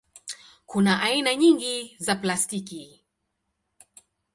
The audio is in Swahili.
Kuna aina nyingi za plastiki.